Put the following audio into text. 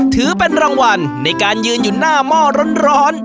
ถือเป็นรางวัลในการยืนอยู่หน้าหม้อร้อน